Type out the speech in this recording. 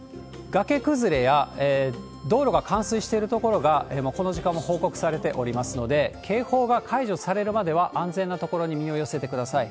崖崩れや道路が冠水してる所が、この時間も報告されておりますので、警報が解除されるまでは安全な所に身を寄せてください。